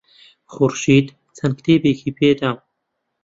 خورشید چەند کتێبێکی پێدام.